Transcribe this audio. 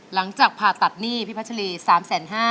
หลังจากผ่าตัดหนี้พี่พระชะรี๓๕๐๐๐๐๐บาท